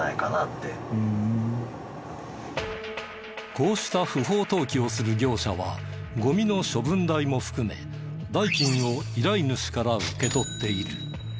こうした不法投棄をする業者はゴミの処分代も含め代金を依頼主から受け取っている。